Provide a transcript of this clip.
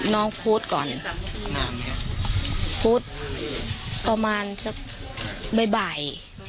น้องโฟสก่อนน้านี่ค่ะโฟสต่อมาชับบ่ายบ่าย